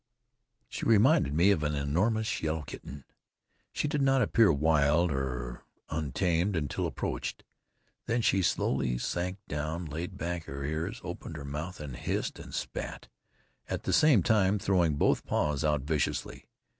She reminded me of an enormous yellow kitten. She did not appear wild or untamed until approached. Then she slowly sank down, laid back her ears, opened her mouth and hissed and spat, at the same time throwing both paws out viciously.